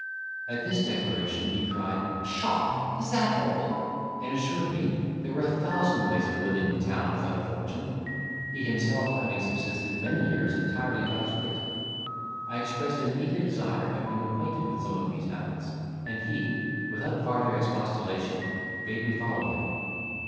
At this declaration he cried, "Psha! is that all?" and assured me there were a thousand ways of living in town without a fortune, he himself having subsisted many years entirely by his wit. I expressed an eager desire of being acquainted with some of these methods, and he, without farther expostulation, bade me follow him.